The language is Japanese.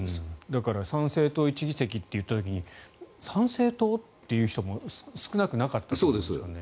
だから参政党１議席取った時に参政党？という人も少なくなかったんですよね。